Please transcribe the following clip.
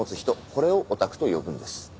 これをオタクと呼ぶんです。